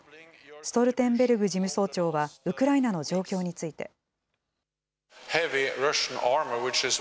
ストルテンベルグ事務総長は、ウクライナの状況について。